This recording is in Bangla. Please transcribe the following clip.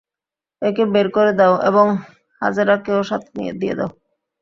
একে বের করে দাও এবং হাজেরাকেও সাথে দিয়ে দাও।